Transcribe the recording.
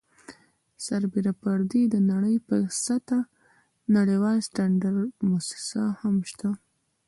سربیره پر دې د نړۍ په سطحه نړیواله سټنډرډ مؤسسه هم شته.